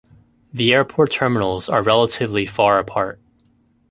The airport terminals are relatively far apart.